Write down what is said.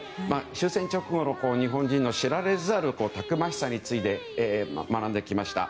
終戦直後の日本人の知られざるたくましさについて学んできました。